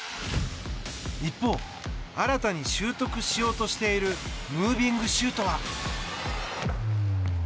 一方、新たに習得しようとしているムービングシュートは。